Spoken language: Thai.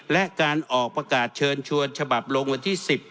และการออกประกาศเชิญชวนฉบับลงวันที่๑๐